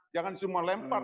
jangan semua lempar